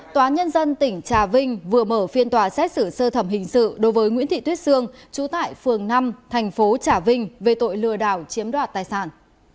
tòa nhân dân tỉnh trà vinh vừa mở phiên tòa xét xử sơ thẩm hình sự đối với nguyễn thị tuyết sương trú tại phường năm thành phố trà vinh về tội lừa đảo chiếm đoạt tài sản